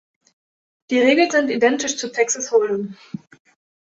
Die Regeln sind identisch zu Texas Hold’em.